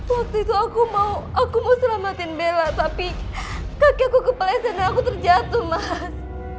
waktu itu aku mau aku mau selamatin bella tapi kakek aku kepalasen aku terjatuh mas